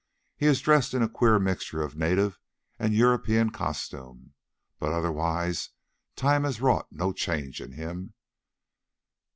He is dressed in a queer mixture of native and European costume, but otherwise time has wrought no change in him.